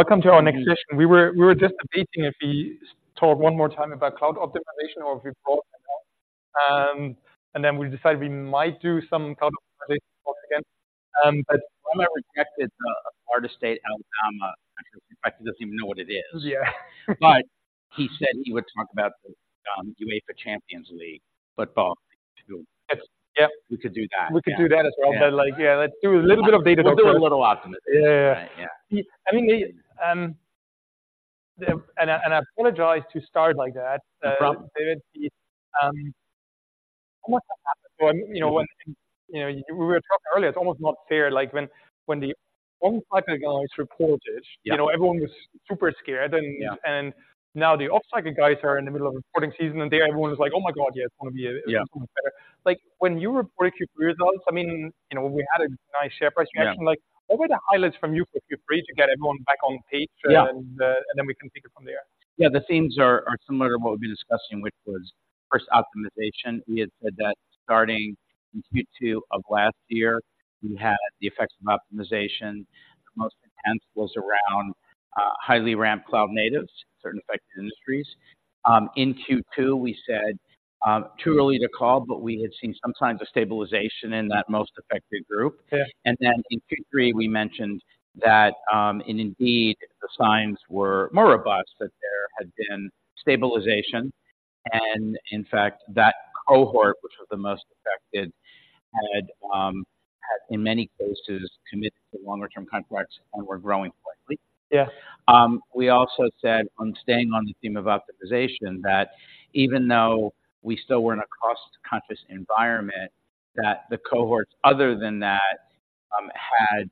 Welcome to our next session. We were just debating if we talk one more time about cloud optimization or if we brought it up. And then we decided we might do some cloud optimization once again. But. I rejected the artist state, Alabama. In fact, he doesn't even know what it is. Yeah. But he said he would talk about UEFA Champions League football too. Yep. We could do that. We could do that as well. Yeah. But like, yeah, let's do a little bit of data. We'll do a little optimization. Yeah. Yeah. I mean, and I apologize to start like that. No problem. What happened? You know, when, you know, we were talking earlier, it's almost not fair, like, when the on-site guys reported. Yeah You know, everyone was super scared, and. Yeah And now the off-site guys are in the middle of reporting season, and there everyone is like, "Oh, my God, yeah, it's gonna be- Yeah... better." Like, when you report your results, I mean, you know, we had a nice share price reaction. Yeah. Like, what were the highlights from you for Q3 to get everyone back on page? Yeah. And then we can take it from there. Yeah, the themes are similar to what we've been discussing, which was first optimization. We had said that starting in Q2 of last year, we had the effects of optimization. The most intense was around highly ramp cloud natives, certain affected industries. In Q2, we said too early to call, but we had seen some signs of stabilization in that most affected group. Yeah. Then in Q3, we mentioned that, and indeed, the signs were more robust, that there had been stabilization. In fact, that cohort, which was the most affected, had, in many cases, committed to longer-term contracts and were growing quickly. Yeah. We also said, on staying on the theme of optimization, that even though we still were in a cost-conscious environment, that the cohorts other than that had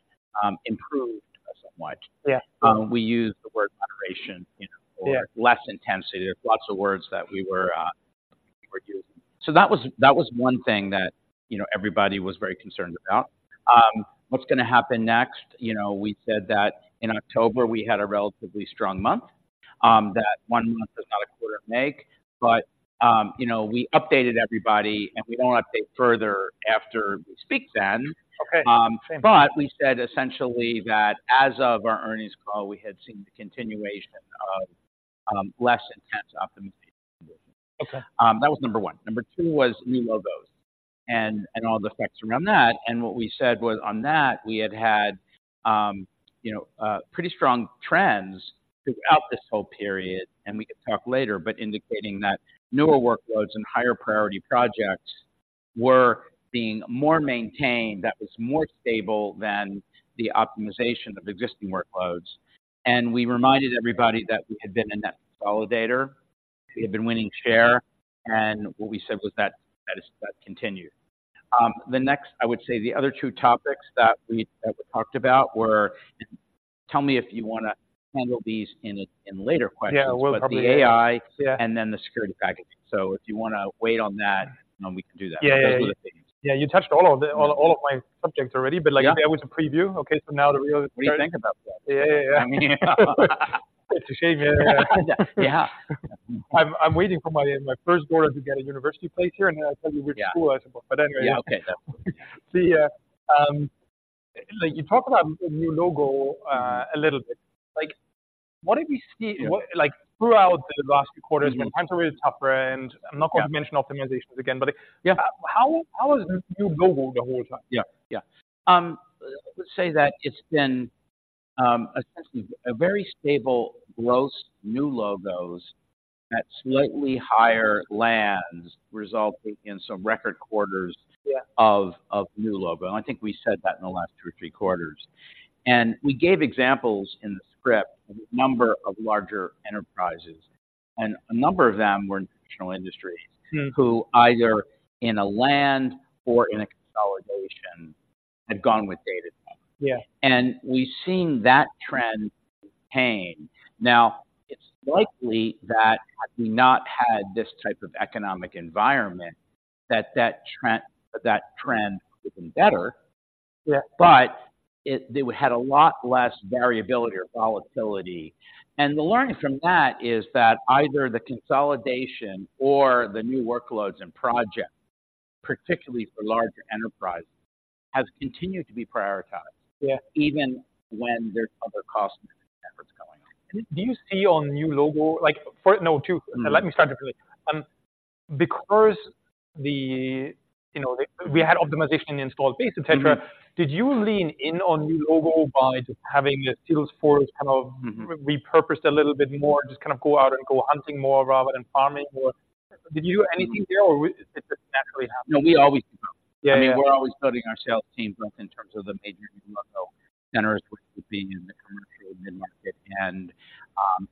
improved somewhat. Yeah. We used the word moderation, you know. Yeah Or less intensity. There's lots of words that we were, we were using. So that was, that was one thing that, you know, everybody was very concerned about. What's gonna happen next? You know, we said that in October, we had a relatively strong month. That one month does not a quarter make, but, you know, we updated everybody, and we don't want to update further after we speak then. Okay. But we said essentially that as of our earnings call, we had seen the continuation of less intense optimization. Okay. That was number one. Number two was new logos and all the effects around that. And what we said was on that, we had had, you know, pretty strong trends throughout this whole period, and we could talk later, but indicating that newer workloads and higher priority projects were being more maintained, that was more stable than the optimization of existing workloads. And we reminded everybody that we had been a net consolidator. We had been winning share, and what we said was that that continued. The next, I would say the other two topics that we talked about were. Tell me if you wanna handle these in later questions. Yeah, we'll probably. But the AI. Yeah And then the security packaging. If you wanna wait on that, we can do that. Yeah, yeah. Those are the things. Yeah, you touched all of my subjects already. Yeah But like, that was a preview. Okay, so now the real. What do you think about that? Yeah, yeah. I mean. It's a shame, yeah. Yeah. I'm waiting for my first daughter to get a university place here, and then I'll tell you which school I support. Yeah. But anyway. Yeah, okay. So, yeah, like, you talked about the new logo. Mm-hmm A little bit. Like, what did we see. Yeah. What, like, throughout the last quarters, when times were really tougher, and I'm not going. Yeah. To mention optimizations again, but. Yeah. How is the new logo the whole time? Yeah, yeah. Let's say that it's been essentially a very stable gross new logos at slightly higher lands, resulting in some record quarters- Yeah.... of new logos, and I think we said that in the last two or three quarters. We gave examples in the script of a number of larger enterprises, and a number of them were traditional industries. Mm Who either in a land or in a consolidation, had gone with Datadog. Yeah. We've seen that trend sustain. Now, it's likely that had we not had this type of economic environment, that trend would be better. Yeah. But they had a lot less variability or volatility. And the learning from that is that either the consolidation or the new workloads and projects, particularly for larger enterprises, has continued to be prioritized. Yeah. Even when there's other cost efforts going on. Do you see the new logo, like for... No, two. Mm-hmm. Let me start it this way. Because, you know, we had optimization in installed base, et cetera. Mm-hmm. Did you lean in on new logo by just having the sales force kind of? Mm-hmm Repurposed a little bit more, just kind of go out and go hunting more rather than farming more? Did you do anything there, or was it just naturally happened? No, we always do that. Yeah, yeah. I mean, we're always building our sales team both in terms of the major new logo centers, which would be in the commercial mid-market and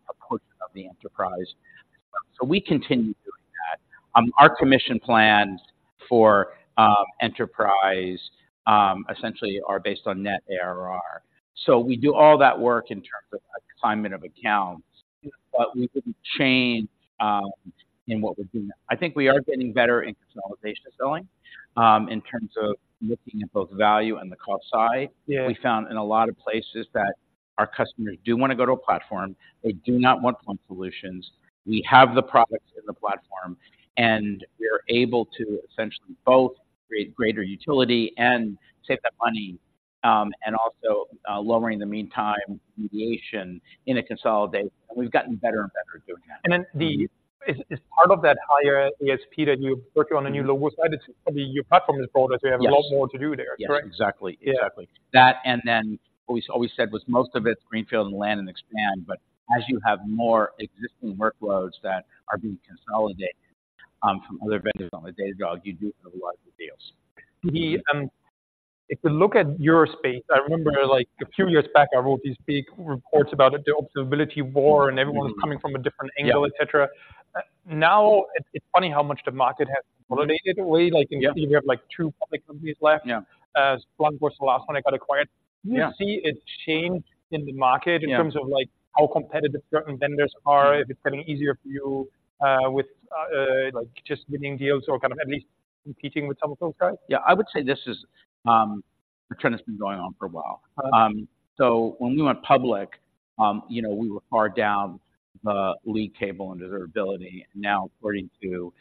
a portion of the enterprise. So we continue doing that. Our commission plans for enterprise essentially are based on net ARR. So we do all that work in terms of assignment of accounts. Yeah. But we didn't change in what we're doing. I think we are getting better in consolidation selling in terms of looking at both value and the cost side. Yeah. We found in a lot of places that our customers do wanna go to a platform. They do not want point solutions. We have the products in the platform, and we're able to essentially both create greater utility and save them money, and also lowering the mean time to resolution in a consolidation, and we've gotten better and better at doing that. And then the is part of that higher ASP that you've worked on the new logo side, it's probably your platform is broader, so you have- Yes. a lot more to do there, correct? Yes, exactly. Yeah. Exactly. That, and then we always said was most of it is greenfield and land and expand, but as you have more existing workloads that are being consolidated, from other vendors on the Datadog, you do have a lot of deals. If we look at your space, I remember, like, a few years back, I wrote these big reports about the observability war, and everyone- Mm-hmm. was coming from a different angle. Yeah. Et cetera. Now, it’s funny how much the market has consolidated away. Yeah. Like, in theory, we have, like, two public companies left. Yeah. Splunk was the last one, it got acquired. Yeah. You see it changed in the market. Yeah. In terms of, like, how competitive certain vendors are. If it's getting easier for you, with, like, just winning deals or kind of at least competing with some of those guys. Yeah, I would say this is the trend has been going on for a while. Okay. When we went public, you know, we were far down the league table in observability, and now according to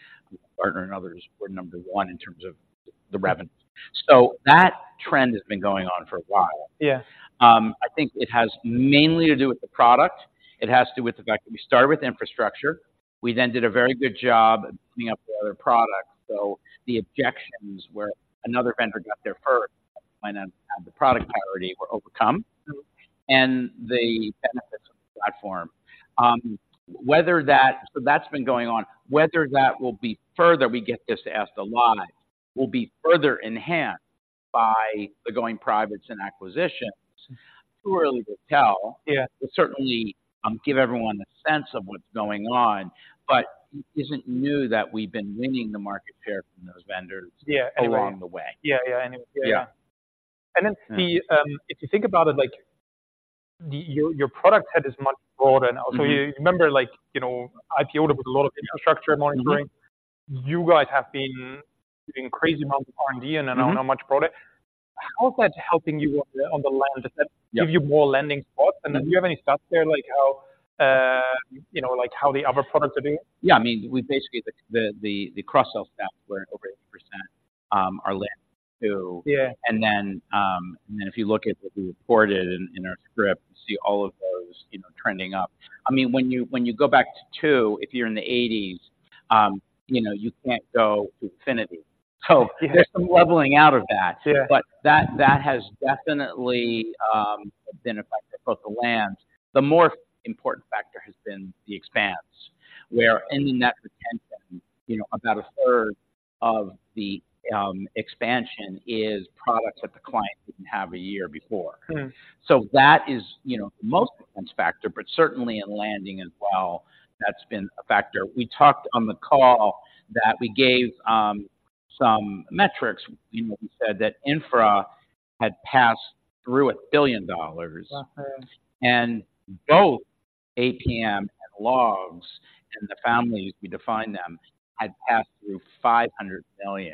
Gartner and others, we're number one in terms of the revenue. That trend has been going on for a while. Yeah. I think it has mainly to do with the product. It has to do with the fact that we started with infrastructure. We then did a very good job of building up the other products, so the objections where another vendor got there first, might not have the product priority were overcome, and the benefits of the platform. Whether that... So that's been going on. Whether that will be further, we get this asked a lot, will be further enhanced by the going privates and acquisitions. Too early to tell. Yeah. But certainly, give everyone a sense of what's going on, but it isn't new that we've been winning the market share from those vendors. Yeah, anyway. Along the way. Yeah, yeah. Anyway, yeah. Yeah. And then, if you think about it, like, your product set is much broader now. Mm-hmm. So you remember, like, you know, IPO with a lot of infrastructure monitoring. Mm-hmm. You guys have been doing crazy amounts of R&D. Mm-hmm And I don't know how much product. How is that helping you on the land? Yeah. Does that give you more landing spots? Mm-hmm. And then do you have any stats there, like how, you know, like how the other products are doing? Yeah, I mean, we basically, the cross-sell stuff where over 80% are linked to. Yeah. Then if you look at what we reported in our script, you see all of those, you know, trending up. I mean, when you go back to two, if you're in the 80s, you know, you can't go to infinity. Yeah. There's some leveling out of that. Yeah. But that has definitely been affected both the land. The more important factor has been the expansion, where in the net retention, you know, about a third of the expansion is products that the client didn't have a year before. Mm. So that is, you know, the most important factor, but certainly in landing as well, that's been a factor. We talked on the call that we gave some metrics. You know, we said that Infra had passed through $1 billion. Mm-hmm. Both APM and Logs, and the families, we define them, had passed through $500 million.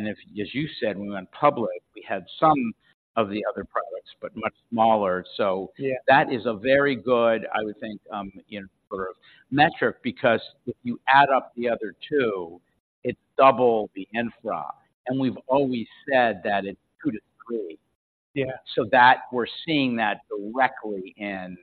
If, as you said, when we went public, we had some of the other products, but much smaller. Yeah. So that is a very good, I would think, you know, sort of metric, because if you add up the other two, it's double the Infra, and we've always said that it's two to three. Yeah. So that, we're seeing that directly in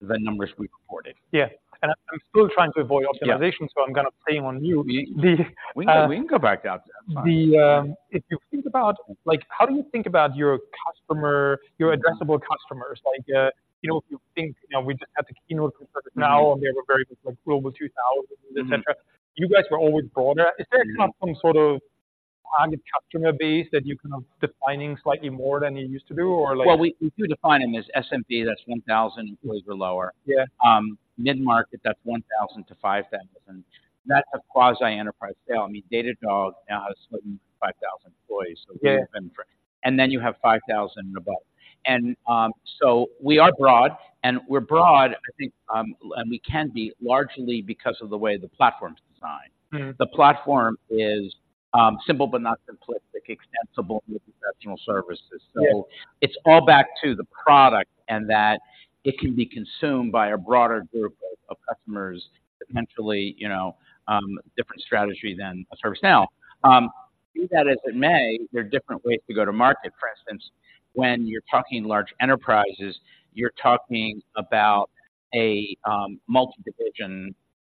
the numbers we reported. Yeah. And I'm still trying to avoid optimization- Yeah So I'm gonna play on you. We can go back out there, fine. If you think about... Like, how do you think about your customer, your addressable customers? Like, you know, if you think, you know, w. just had the keynote now, and they were very like Global 2000- Mm-hmm Et cetera. You guys were always broader. Mm-hmm. Is there some sort of target customer base that you're kind of defining slightly more than you used to do, or like? Well, we do define them as SMB, that's 1,000 employees or lower. Yeah. Mid-market, that's 1,000-5,000. That's a quasi enterprise sale. I mean, Datadog now has 55,000 employees. Yeah. And then you have 5,000 and above. And, so we are broad, and we're broad, I think, and we can be largely because of the way the platform's designed. Mm-hmm. The platform is simple but not simplistic, extensible professional services. Yeah. So it's all back to the product, and that it can be consumed by a broader group of customers, potentially, you know, different strategy than a ServiceNow. Be that as it may, there are different ways to go to market. For instance, when you're talking large enterprises, you're talking about a multi-division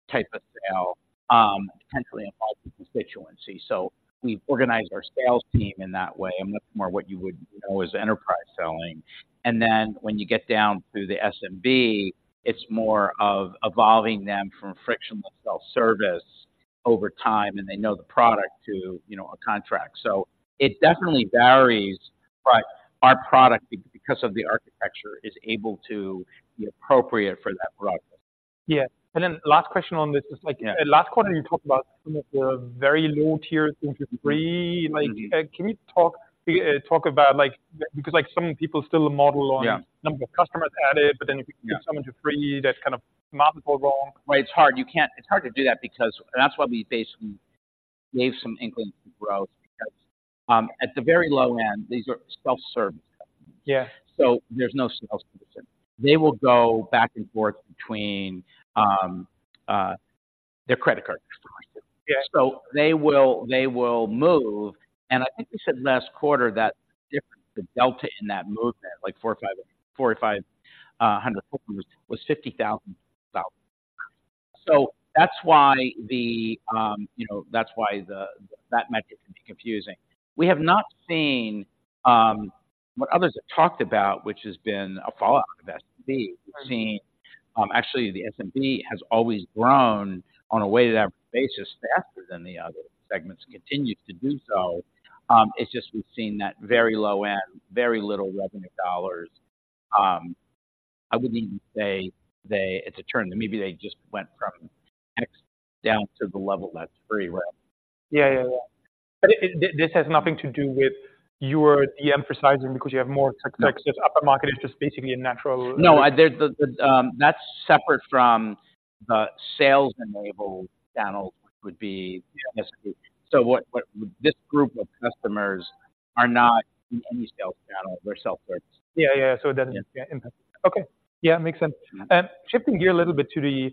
type of sale, potentially a multi-constituency. So we've organized our sales team in that way, and much more what you would know as enterprise selling. And then when you get down to the SMB, it's more of evolving them from frictionless self-service over time, and they know the product to, you know, a contract. So it definitely varies, but our product, because of the architecture, is able to be appropriate for that broad base. Yeah. And then last question on this is like. Yeah Last quarter, you talked about some of the very low tiers into three. Mm-hmm. Like, can we talk about like... Because, like, some people still model on. Yeah. Number of customers added, but then if you- Yeah. Get someone to three, that's kind of the model go wrong. Well, it's hard. It's hard to do that because... And that's why we basically gave some inkling to growth, because at the very low end, these are self-service companies. Yeah. So there's no sales concern. They will go back and forth between their credit card company. So they will move, and I think we said last quarter that difference, the delta in that movement, like 400 or 500 was $50,000. So that's why the, you know, that's why that metric can be confusing. We have not seen what others have talked about, which has been a fallout of SMB. We've seen actually, the SMB has always grown on a weighted average basis faster than the other segments, continues to do so. It's just we've seen that very low end, very little revenue dollars. I would even say it's a turn, maybe they just went from X down to the level that's very rare. Yeah, yeah, yeah. But this has nothing to do with your de-emphasizing because you have more success. This upper market is just basically a natural. No, there's the... That's separate from the sales enabled channels, which would be S group. So what, this group of customers are not in any sales channel, they're self-service. Yeah, yeah. So it doesn't. Yeah. Yeah. Okay. Yeah, makes sense. Mm-hmm. Shifting gear a little bit to the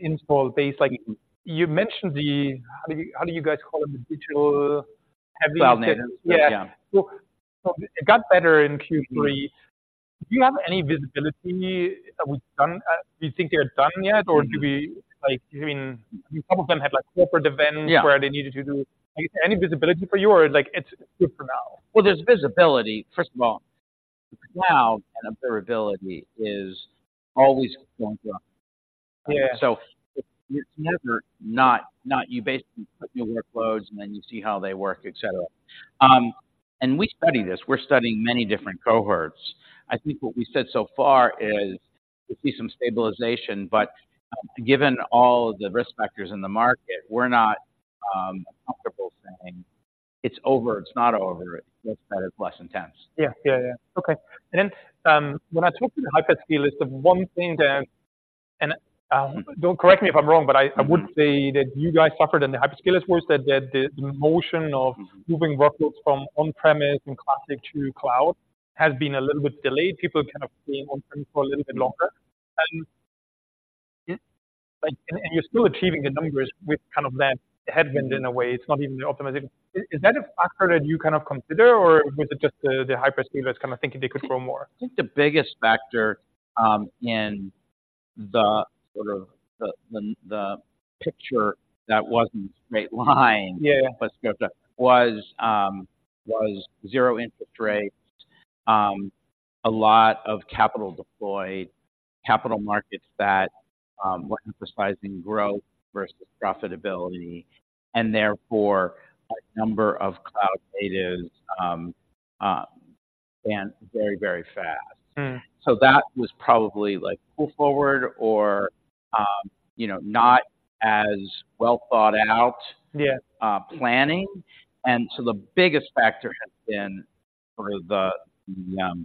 install base, like you mentioned the... How do you, how do you guys call them? The digital heavy. Cloud native. Yeah. Yeah. So, it got better in Q3. Do you have any visibility that we've done? Do you think they're done yet, or do we like, I mean, a couple of them had, like, corporate events. Yeah. Where they needed to do. Any visibility for you, or, like, it's good for now? Well, there's visibility. First of all, now and observability is always going through. Yeah. So it's never not. You basically put new workloads, and then you see how they work, et cetera. We study this. We're studying many different cohorts. I think what we said so far is we see some stabilization, but given all the risk factors in the market, we're not comfortable saying it's over. It's not over. It's just that it's less intense. Yeah. Yeah, yeah. Okay. And then, when I talk to the hyperscalers, the one thing that, and, don't. Correct me if I'm wrong, but I, I would say that you guys suffered in the hyperscalers. Was that the, the motion of moving workloads from on-premise and classic to cloud has been a little bit delayed. People kind of staying on-prem for a little bit longer, and. Yeah .Like, and you're still achieving the numbers with kind of that headwind in a way, it's not even the optimization. Is that a factor that you kind of consider, or was it just the hyperscalers kind of thinking they could grow more? I think the biggest factor in the sort of picture that wasn't a straight line. Yeah. But scripted was zero interest rates, a lot of capital deployed, capital markets that were emphasizing growth versus profitability, and therefore, a number of cloud natives banned very, very fast. Mm. That was probably, like, pull forward or, you know, not as well thought out- Yeah.... planning. And so the biggest factor has been sort of the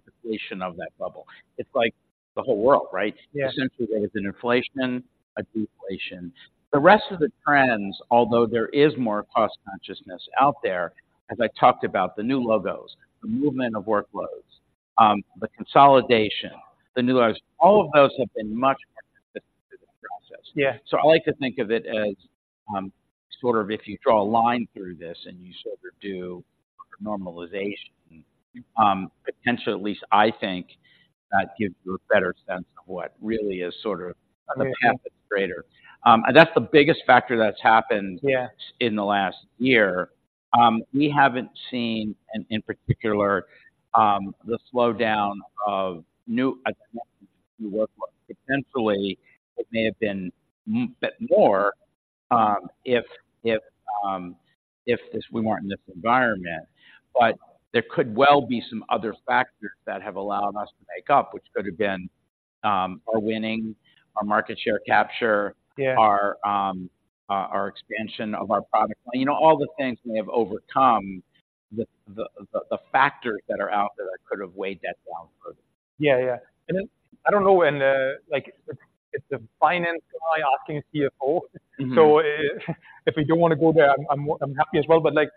deflation of that bubble. It's like the whole world, right? Yeah. Essentially, there's been inflation, a deflation. The rest of the trends, although there is more cost consciousness out there, as I talked about, the new logos, the movement of workloads, the consolidation, the new logos, all of those have been much more through the process. Yeah. So I like to think of it as, sort of if you draw a line through this and you sort of do normalization, potentially, at least I think that gives you a better sense of what really is sort of- Right.... the path is greater. That's the biggest factor that's happened- Yeah. ...in the last year. We haven't seen, and in particular, the slowdown of new workloads. Potentially, it may have been a bit more if we weren't in this environment. But there could well be some other factors that have allowed us to make up, which could have been our winning our market share capture. Yeah. Our expansion of our product. You know, all the things may have overcome the factors that are out there that could have weighed that down further. Yeah, yeah. And then, I don't know, like, it's, it's a finance guy asking a CFO. Mm-hmm. If you don't wanna go there, I'm happy as well. But, like,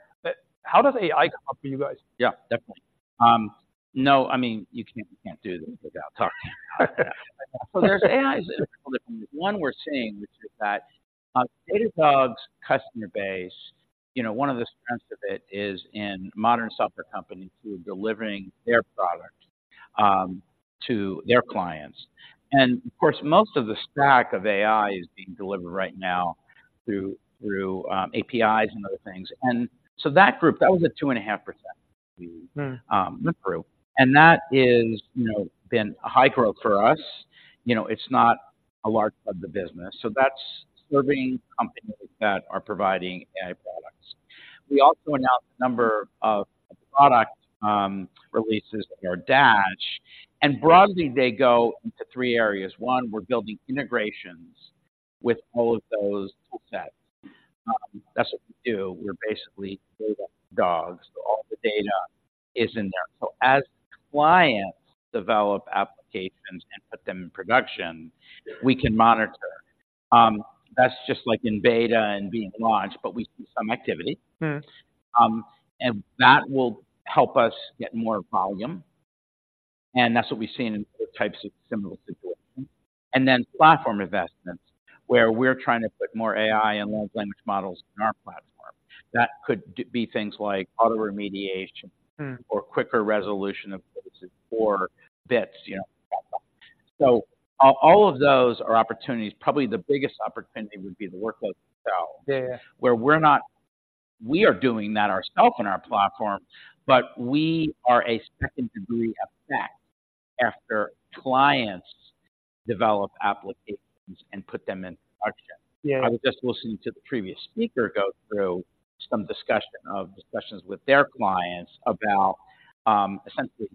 how does AI come up for you guys? Yeah, definitely. No, I mean, you can't, you can't do this without talking about that. So there's AIs, one we're seeing, which is that, Datadog's customer base, you know, one of the strengths of it is in modern software companies who are delivering their products to their clients. And of course, most of the stack of AI is being delivered right now through, through, APIs and other things. And so that group, that was a 2.5% group. Mm. And that is, you know, been a high growth for us. You know, it's not a large part of the business, so that's serving companies that are providing AI products. We also announced a number of product releases or Dash, and broadly, they go into three areas. One, we're building integrations with all of those tool sets. That's what we do. We're basically data dogs. All the data is in there. So as clients develop applications and put them in production, we can monitor. That's just like in beta and being launched, but we see some activity. Mm. And that will help us get more volume, and that's what we've seen in types of similar situations. And then platform investments, where we're trying to put more AI and large language models in our platform. That could be things like auto remediation- Hmm. or quicker resolution of cases or Bits, you know? So all, all of those are opportunities. Probably the biggest opportunity would be the workload itself. Yeah. We are doing that ourselves in our platform, but we are a second degree effect after clients develop applications and put them in our check. Yeah. I was just listening to the previous speaker go through some discussion of discussions with their clients about, essentially,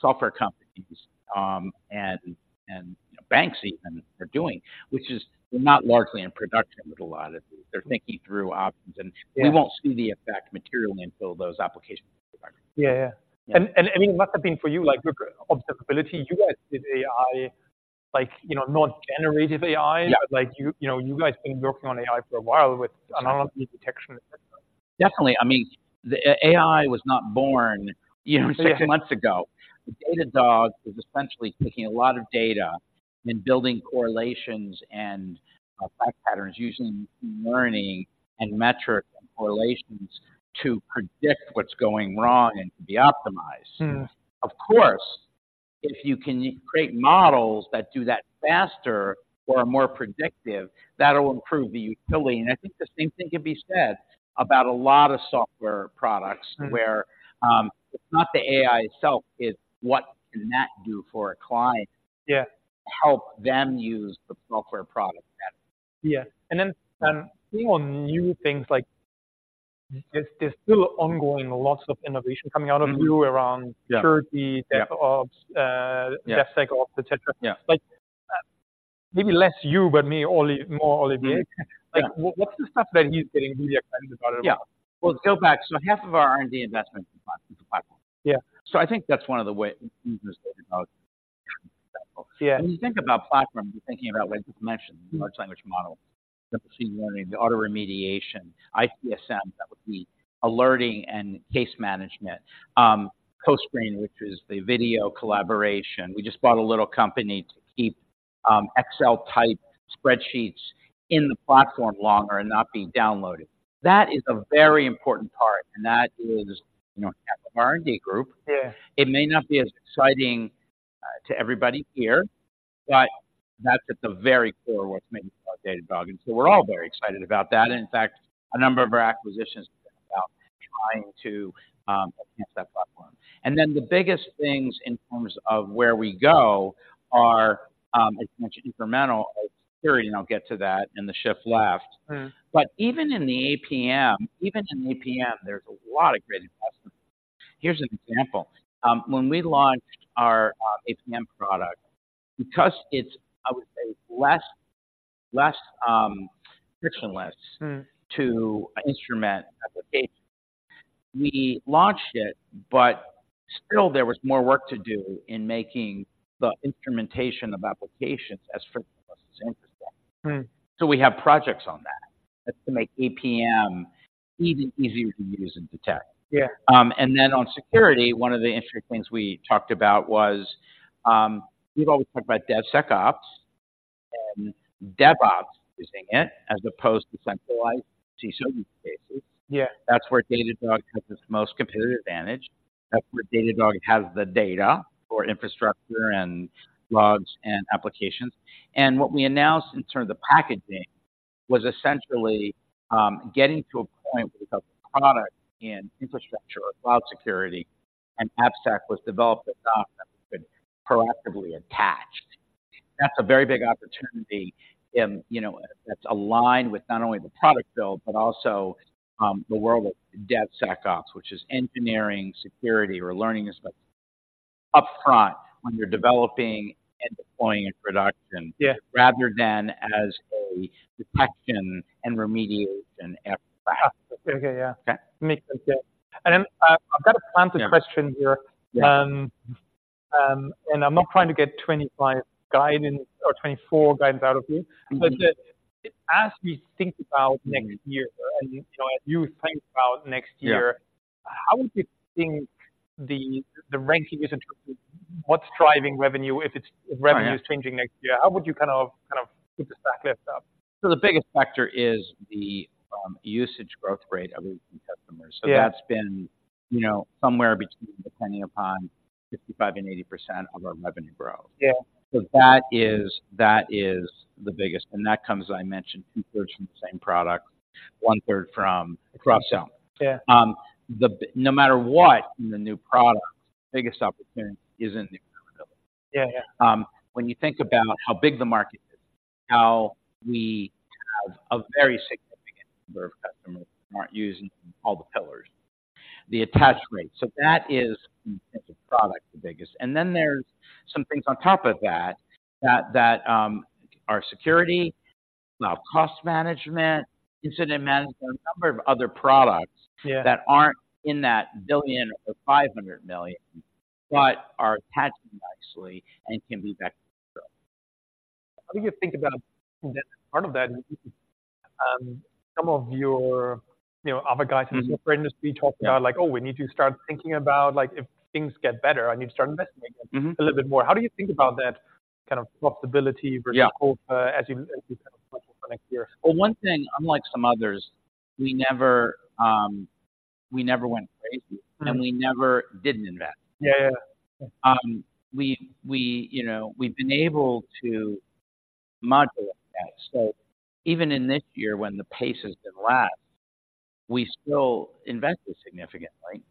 software companies, and banks even are doing, which is not largely in production, but a lot of it. They're thinking through options, and. Yeah. We won't see the effect materially until those applications are. Yeah, yeah. Yeah. I mean, what's the thing for you, like, with observability, you guys did AI, like, you know, not generative AI. Yeah. Like, you know, you guys been working on AI for a while with anomaly detection, et cetera. Definitely. I mean, the AI was not born, you know, six months ago. The Datadog is essentially taking a lot of data and building correlations and fact patterns using machine learning and metric correlations to predict what's going wrong and to be optimized. Hmm. Of course, if you can create models that do that faster or are more predictive, that'll improve the utility. And I think the same thing can be said about a lot of software products- Hmm.... where, it's not the AI itself, it's what can that do for a client- Yeah. to help them use the software product better. Yeah. And then, being on new things, like, there's still ongoing lots of innovation coming out of you- Mm-hmm. -around security- Yeah. -DevOps, uh- Yeah. DevSecOps, et cetera. Yeah. Like, maybe less you, but me Olivier—more Olivier. Hmm. Yeah. Like, what, what's the stuff that he's getting really excited about? Yeah. Well, to go back, so half of our R&D investment is platform. Yeah. I think that's one of the way using this data about, for example. Yeah. When you think about platform, you're thinking about what you mentioned. Mm-hmm. Large language model, machine learning, the auto remediation, ITSM, that would be alerting and case management. CoScreen, which is the video collaboration. We just bought a little company to keep Excel-type spreadsheets in the platform longer and not being downloaded. That is a very important part, and that is, you know, half of R&D group. Yeah. It may not be as exciting to everybody here, but that's at the very core of what's making our Datadog. So we're all very excited about that. In fact, a number of our acquisitions about trying to enhance that platform. Then the biggest things in terms of where we go are, as mentioned, incremental security, and I'll get to that, and the shift left. Hmm. But even in the APM, even in APM, there's a lot of great investments. Here's an example: when we launched our APM product, because it's, I would say, less, less, frictionless. Hmm. To instrument applications, we launched it, but still there was more work to do in making the instrumentation of applications as frictionless as interesting. Hmm. So we have projects on that. That's to make APM even easier to use and detect. Yeah. And then on security, one of the interesting things we talked about was, we've always talked about DevSecOps and DevOps using it, as opposed to centralized CISO cases. Yeah. That's where Datadog has its most competitive advantage. That's where Datadog has the data for infrastructure and logs, and applications. And what we announced in terms of packaging was essentially, getting to a point with a product in infrastructure or cloud security, and AppSec was developed at Datadog that we could proactively attach. That's a very big opportunity in, you know, that's aligned with not only the product build, but also, the world of DevSecOps, which is engineering, security, we're learning this, but upfront when you're developing and deploying in production- Yeah. rather than as a detection and remediation effort. Okay. Yeah. Okay? Makes sense, yeah. I've got a planted question here. Yeah. I'm not trying to get 2025 guidance or 2024 guidance out of you. Mm-hmm. But, as we think about next year, and, you know, as you think about next year. Yeah. How would you think the ranking is in terms of what's driving revenue, if it's. Right. Revenue is changing next year, how would you kind of, kind of put the stack list up? The biggest factor is the usage growth rate of our customers. Yeah. That's been, you know, somewhere between, depending upon 55%-80% of our revenue growth. Yeah. That is, that is the biggest, and that comes, I mentioned, two-thirds from the same product, 1/3 from cross-sell. Yeah. No matter what, in the new products, the biggest opportunity is in new credibility. Yeah, yeah. When you think about how big the market is, how we have a very significant number of customers who aren't using all the pillars, the attach rate. So that is, in terms of product, the biggest. And then there's some things on top of that, our security, Cloud Cost Management, Incident Management, a number of other products. Yeah. That aren't in that $1 billion or $500 million, but are attaching nicely and can be better. How do you think about part of that, some of your, you know, other guys in your industry talking about like, "Oh, we need to start thinking about, like, if things get better, I need to start investing again. Mm-hmm. “A little bit more.” How do you think about that kind of profitability versus. Yeah. Hope, as you, as you kind of look for next year? Well, one thing, unlike some others, we never, we never went crazy. Right. And we never didn't invest. Yeah. Yeah. We, you know, we've been able to modulate that. So even in this year, when the pace has been less, we still invested significantly.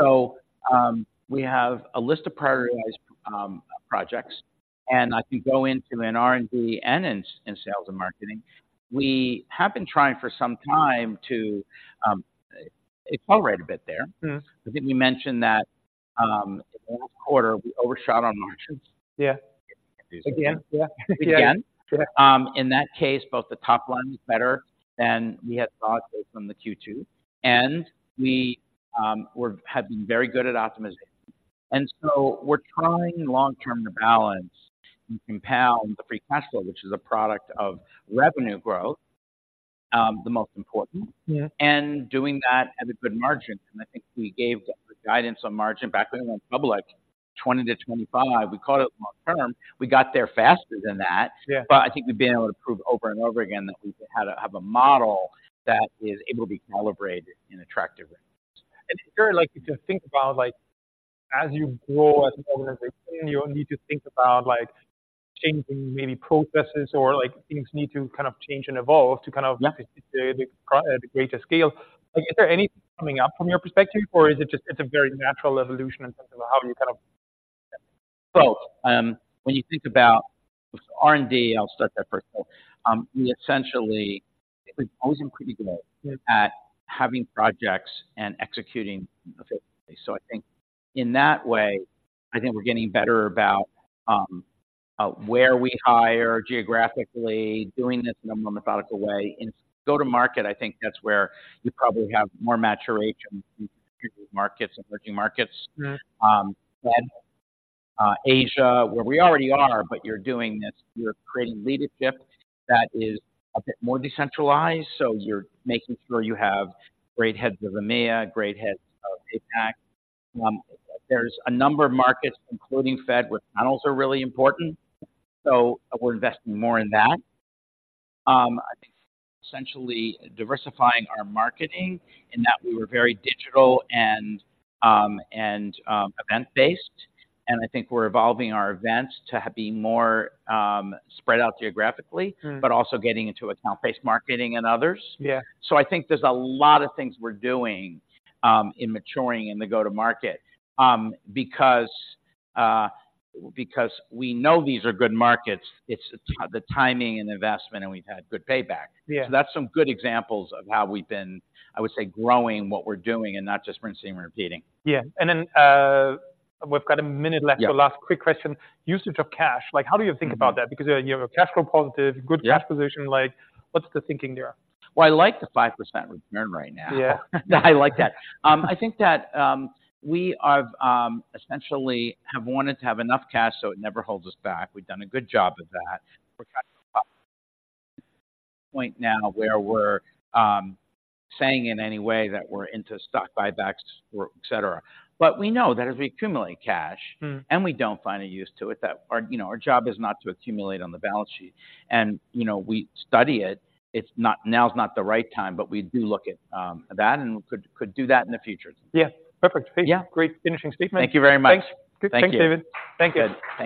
So, we have a list of prioritized projects, and I can go into in R&D and in sales and marketing. We have been trying for some time to accelerate a bit there. Mm. I think we mentioned that, in the last quarter, we overshot on margins. Yeah. Again. Yeah. Again. Yeah. In that case, both the top line was better than we had thought based on the Q2, and we had been very good at optimization. And so we're trying long term to balance, you compound the free cash flow, which is a product of revenue growth, the most important. Yeah. And doing that at a good margin, and I think we gave the guidance on margin back when we went public, 20-25. We called it long term. We got there faster than that. Yeah. I think we've been able to prove over and over again that we have a model that is able to be calibrated in attractive ways. It's very likely to think about, like, as you grow as an organization, you'll need to think about, like, changing maybe processes or like, things need to kind of change and evolve to kind of. Yeah. The greater scale. Like, is there anything coming up from your perspective, or is it just, it's a very natural evolution in terms of how you kind of? So, when you think about R&D, I'll start that first. We essentially, we've always been pretty good- Yeah. -at having projects and executing effectively. So I think in that way, I think we're getting better about, where we hire geographically, doing this in a more methodical way. In go-to-market, I think that's where you probably have more mature markets and emerging markets. Mm. Then, Asia, where we already are, but you're doing this, you're creating leadership that is a bit more decentralized, so you're making sure you have great heads of EMEA, great heads of APAC. There's a number of markets, including Fed, where panels are really important, so we're investing more in that. I think essentially diversifying our marketing, in that we were very digital and event-based, and I think we're evolving our events to be more spread out geographically. Mm. But also getting into account-based marketing and others. Yeah. So I think there's a lot of things we're doing in maturing in the go-to-market. Because we know these are good markets, it's the timing and investment, and we've had good payback. Yeah. That's some good examples of how we've been, I would say, growing what we're doing and not just rinsing and repeating. Yeah. And then, we've got a minute left. Yeah. Last quick question: usage of cash, like, how do you think about that? Mm-hmm. Because you have a cash flow positive. Yeah. Good cash position, like, what's the thinking there? Well, I like the 5% return right now. Yeah. I like that. I think that, we are essentially have wanted to have enough cash, so it never holds us back. We've done a good job of that. We're kind of at the point now where we're saying in any way that we're into stock buybacks or etcetera. But we know that as we accumulate cash- Mm. and we don't find a use to it, that our, you know, our job is not to accumulate on the balance sheet. And, you know, we study it. It's not. Now's not the right time, but we do look at that and could do that in the future. Yeah. Perfect. Yeah. Great finishing statement. Thank you very much. Thanks. Thank you. Thanks, David. Thank you. Good.